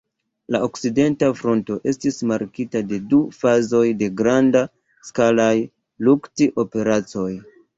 La Okcidenta Fronto estis markita de du fazoj de grand-skalaj lukt-operacoj.